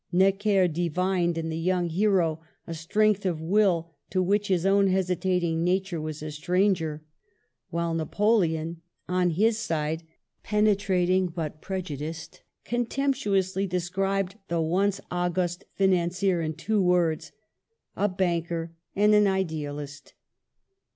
Necker divined in the young hero a strength of will to which his own hesitating nature was a stranger; while Napoleon, on his side, penetrating but preju diced, contemptuously described the once august financier in two words, " A banker and an Ideal ist."